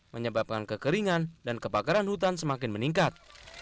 menyebabkan kekeringan dan kebakaran hutan semakin meningkat